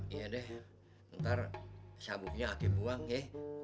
iya deh ntar sabuknya aki buang ya